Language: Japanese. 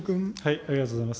ありがとうございます。